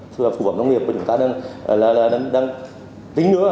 phù phẩm nông nghiệp của chúng ta đang tính nữa